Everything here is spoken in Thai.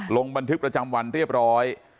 ลงบันทึกประจำวันเรียบร้อย